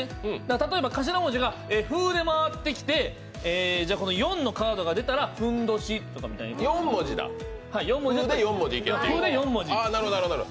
例えば頭文字が「ふ」で回ってきて４のカードが出たらふんどしみたいな「ふ」で４文字。